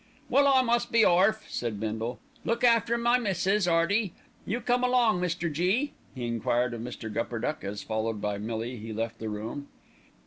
"Well, I must be orf," said Bindle. "Look after my missis, 'Earty. You comin' along, Mr. G.?" he enquired of Mr. Gupperduck, as, followed by Millie, he left the room.